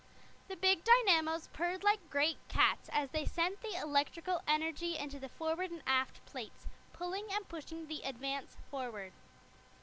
The big dynamos purred like great cats, as they sent the electrical energy into the forward and aft plates, pulling and pushing the Advance forward.